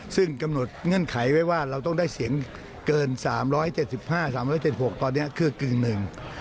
ซึ่งกำหนดเงื่อนไขไว้ว่าเราต้องได้เสียงเกิน๓๗๕๓๗๖ตอนนี้คือกึ่งหนึ่ง